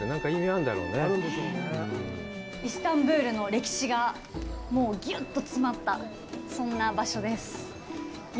イスタンブルの歴史がぎゅっと詰まった、そんな場所です。